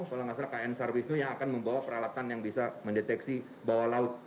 kalau nggak salah kn sarwisnu yang akan membawa peralatan yang bisa mendeteksi bawah laut